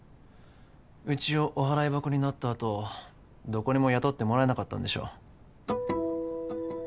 うちをお払い箱になったあとどこにも雇ってもらえなかったんでしょ